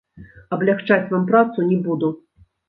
Аблягчаць вам працу не буду.